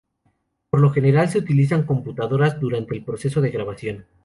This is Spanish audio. Por lo general, se utilizan computadoras durante el proceso de grabación.